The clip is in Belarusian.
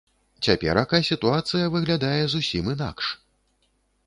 Цяперака сітуацыя выглядае зусім інакш.